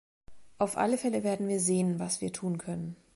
Auf alle Fälle werden wir sehen, was wir tun können.